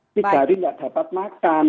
tidak dapat makan